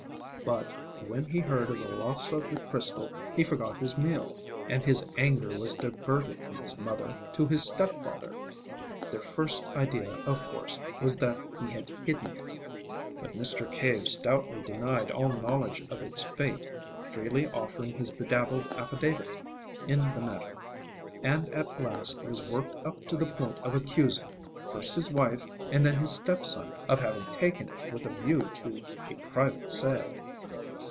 But, when he heard of the loss of the crystal, he forgot his meal, and his anger was diverted from his mother to his step father. Their first idea, of course, was that he had hidden it. But Mr. Cave stoutly denied all knowledge of its fate freely offering his bedabbled affidavit in the matter and at last was worked up to the point of accusing, first, his wife and then his step son of having taken it with a view to a private sale.